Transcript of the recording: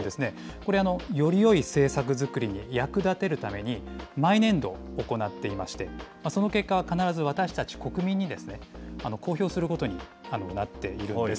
これ、よりよい政策作りに役立てるために、毎年度、行っていまして、その結果、必ず私たち国民に公表することになっているんです。